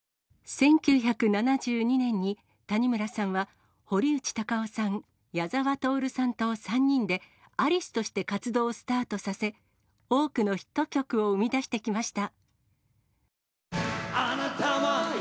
１９７２年に谷村さんは、堀内孝雄さん、矢沢透さんと３人で、アリスとして活動をスタートさせ、多くのヒット曲を生み出してきました。